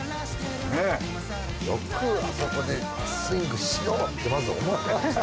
よくあそこでスイングしようってまず思う。